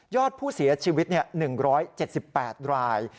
อดผู้เสียชีวิต๑๗๘ราย